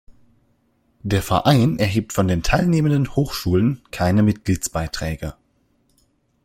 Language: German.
Der Verein erhebt von den teilnehmenden Hochschulen keine Mitgliedsbeiträge.